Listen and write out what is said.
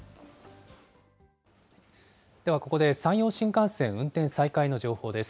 ではここで、山陽新幹線運転再開の情報です。